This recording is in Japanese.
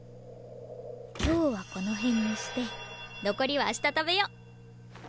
今日はこの辺にして残りは明日食べよう。